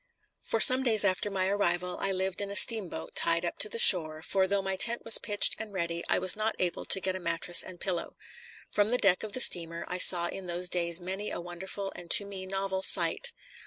For some days after my arrival I lived in a steamboat tied up to the shore, for though my tent was pitched and ready, I was not able to get a mattress and pillow. From the deck of the steamer I saw in those days many a wonderful and to me novel sight.